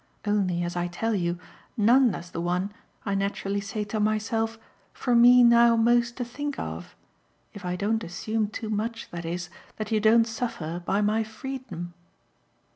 Only, as I tell you, Nanda's the one, I naturally say to myself, for me now most to think of; if I don't assume too much, that is, that you don't suffer by my freedom."